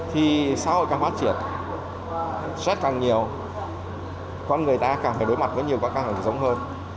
thì xã hội càng phát triển stress càng nhiều con người ta càng phải đối mặt với nhiều các căng thẳng sống hơn